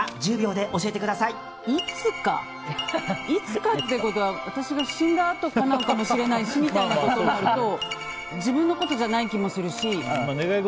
いつかってことは私が死んだあとかもしれないしみたいなことになると自分のことじゃない気もするし。